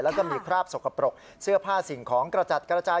แล้วก็มีคราบสกปรกเสื้อผ้าสิ่งของกระจัดกระจาย